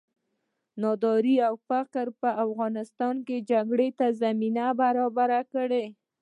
ناداري او فقر په افغانستان کې جګړې ته زمینه برابره کړې.